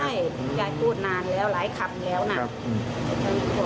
ใช่ยายพูดนานแล้วหลายคำแล้วนะ